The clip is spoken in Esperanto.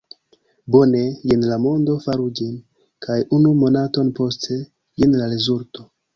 Bone, jen la mondo, faru ĝin! kaj unu monaton poste, jen la rezulto!